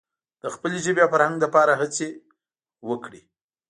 د خپلې ژبې او فرهنګ لپاره هڅې وکړي.